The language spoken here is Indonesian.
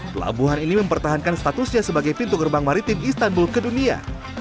pelabuhan ini mempertahankan statusnya sebagai pintu gerbang maritim istanbul ke dunia